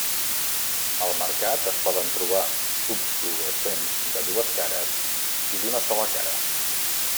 Al mercat, es poden trobar tubs fluorescents de dues cares i d'una sola cara.